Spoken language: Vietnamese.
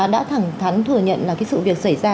đã thẳng thắn thừa nhận là cái sự việc xảy ra